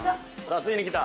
◆ついに来た。